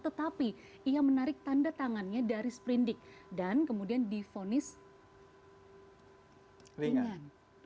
tetapi ia menarik tanda tangannya dari sprindik dan kemudian difonis ringan